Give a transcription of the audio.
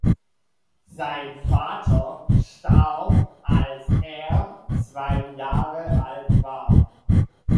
Sein Vater starb, als er zwei Jahre alt war.